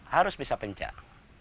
harus bisa pencak